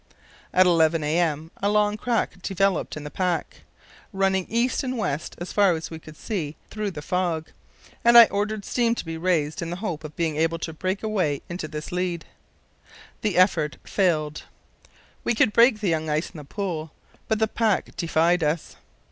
At 11 a.m. a long crack developed in the pack, running east and west as far as we could see through the fog, and I ordered steam to be raised in the hope of being able to break away into this lead. The effort failed. We could break the young ice in the pool, but the pack defied us.